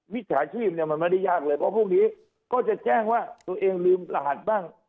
มิจฉาชีพเนี่ยมันไม่ได้ยากเลยเพราะพวกนี้ก็จะแจ้งว่าตัวเองลืมรหัสบ้าง